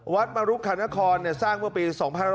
วัดมรุกคัณฐคอนเนี่ยสร้างเมื่อปี๒๑๓๖